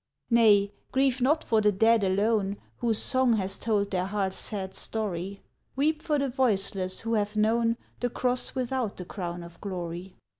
Nay grieve not for the dead alone Whose song has told their hearts' sad story, Weep for the voiceless, who have known The cross without the crown of glory!